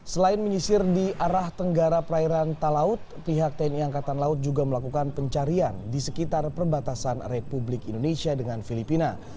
selain menyisir di arah tenggara perairan talaut pihak tni angkatan laut juga melakukan pencarian di sekitar perbatasan republik indonesia dengan filipina